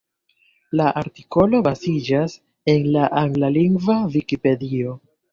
La artikolo baziĝas en la anglalingva Vikipedio,